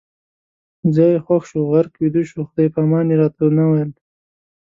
ځای یې خوښ شو، غرق ویده شو، خدای پامان یې راته نه ویل